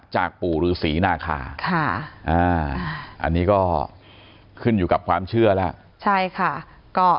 จากปู่ฤษีนาคาอันนี้ก็ขึ้นอยู่กับความเชื่อแล้วใช่ค่ะ